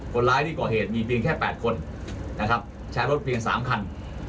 คนร้ายที่ก่อเหตุมีเพียงแค่๘คนนะครับใช้รถเพียง๓คัน